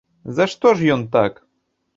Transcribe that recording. За што ж ён так?